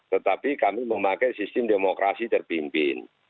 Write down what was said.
tetapi kami memakai sistem demokrasi terpimpin